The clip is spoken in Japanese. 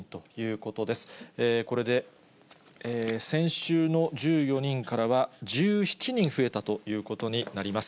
これで先週の１４人からは、１７人増えたということになります。